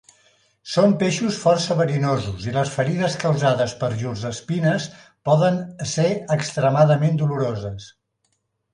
Són peixos força verinosos i les ferides causades per llurs espines poden ésser extremadament doloroses.